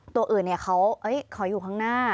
ตัวอื่นเขาขออยู่ข้างหน้า